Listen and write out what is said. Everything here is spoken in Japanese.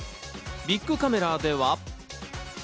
ビックカメラでは。